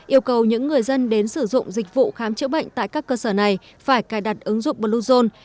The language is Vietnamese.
yêu cầu những người dân đến sử dụng dịch vụ khám chữa bệnh tại các cơ sở này phải cài đặt ứng dụng bluezone